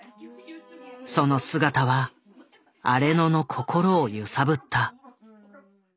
その姿は荒野の心を揺さぶった。